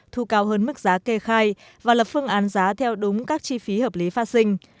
thu cao hơn mức giá kê khai và lập phương án giá theo đúng các chi phí hợp lý pha sinh